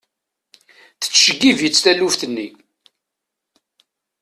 Tceggeb-itt taluft-nni.